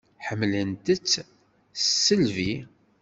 Ḥemmlen-tt s tisselbi.